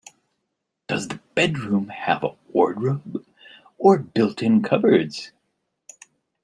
Does the bedroom have a wardrobe, or built-in cupboards?